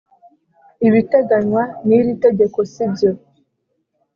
ibiteganywa niritegeko sibyo.